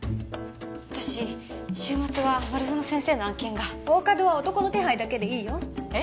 私週末は丸園先生の案件が大加戸は男の手配だけでいいよえっ？